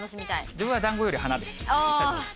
自分は、だんごより花でいきたいと思います。